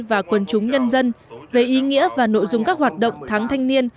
và quần chúng nhân dân về ý nghĩa và nội dung các hoạt động tháng thanh niên